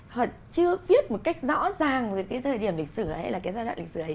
họ chưa viết một cách rõ ràng với cái thời điểm lịch sử hay là cái giai đoạn lịch sử ấy